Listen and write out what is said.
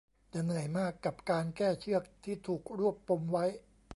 จะเหนื่อยมากกับการแก้เชือกที่ถูกรวบปมไว้